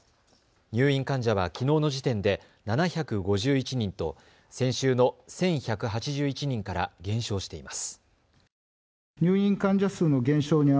入院患者はきのうの時点で７５１人と先週の１１８１人から減少しています。